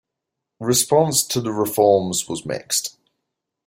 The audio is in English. Response to the reforms was mixed.